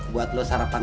buat lo sarapan